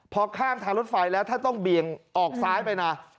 พอข้ามทางรถไฟแล้วถ้าต้องเบี่ยงออกซ้ายไปนะ